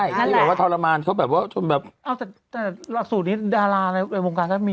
ที่แบบว่าทรมานเขาแบบว่าชนแบบเอาแต่หลักสูตรนี้ดาราในวงการก็มี